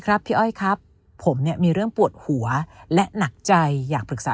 พี่อ้อยครับผมเนี่ยมีเรื่องปวดหัวและหนักใจอยากปรึกษา